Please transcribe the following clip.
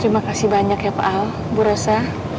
terima kasih banyak ya pak al bu rosa